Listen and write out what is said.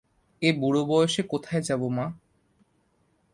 এ বুড়ো বয়সে কোথায় যাব মা?